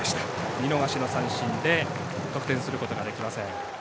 見逃しの三振で得点することができません。